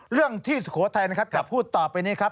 เรื่องที่สุโขทัยนะครับจะพูดต่อไปนี้ครับ